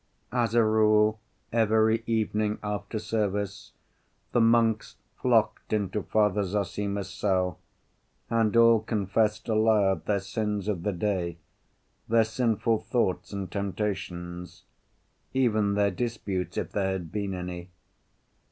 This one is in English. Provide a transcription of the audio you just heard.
As a rule every evening after service the monks flocked into Father Zossima's cell, and all confessed aloud their sins of the day, their sinful thoughts and temptations; even their disputes, if there had been any.